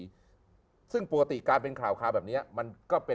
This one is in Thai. เราก็เดินไปจับเราก็